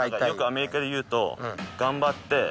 よくアメリカでいうと頑張って。